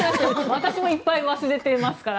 私もいっぱい忘れますから。